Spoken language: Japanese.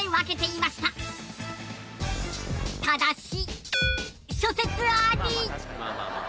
ただし。